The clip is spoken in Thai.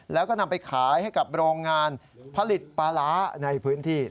แล้วก็นำไปขายให้กับโรงงานผลิตปลาร้าในพื้นที่